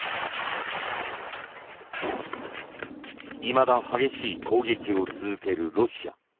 いまだ激しい攻撃を続けるロシア。